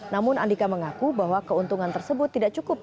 namun andika mengaku bahwa keuntungan tersebut tidak cukup